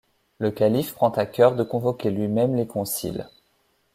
Le calife prend à cœur de convoquer lui-même les conciles.